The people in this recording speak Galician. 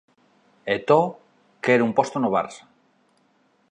Eto'o quere un posto no Barça